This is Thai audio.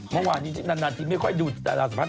เมื่อวานนานที่ไม่ค่อยดูราวสัมภาษณ์